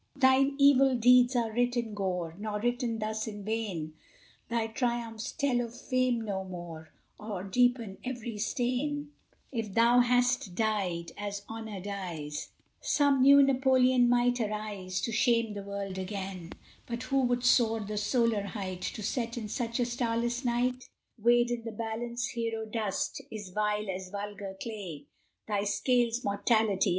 Thine evil deeds are writ in gore, Nor written thus in vain Thy triumphs tell of fame no more, Or deepen every stain: If thou hadst died, as honor dies, Some new Napoleon might arise, To shame the world again; But who would soar the solar height, To set in such a starless night? Weighed in the balance, hero dust Is vile as vulgar clay; Thy scales, Mortality!